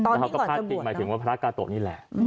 แล้วเขาก็พาดพิงหมายถึงว่าพระกาโตะนี่แหละ